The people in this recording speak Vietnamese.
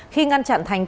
khi ngăn chặn thành công